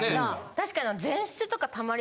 確かに。